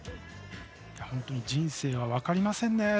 本当に人生は分かりませんね。